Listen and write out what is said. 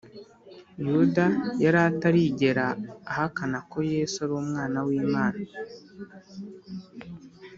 yuda yari atarigera ahakana ko yesu ari umwana w’imana